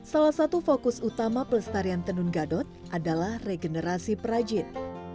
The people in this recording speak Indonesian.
salah satu fokus utama pelestarian tenun gadot adalah regenerasi perajin